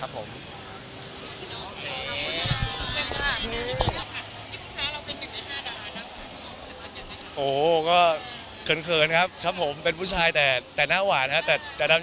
โอโหก็เขินครับครับผมเป็นผู้ชายแต่แต่หน้าหวานแต่ทำยังไงได้มันก็